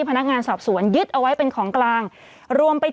ผู้ต้องหาที่ขับขี่รถจากอายานยนต์บิ๊กไบท์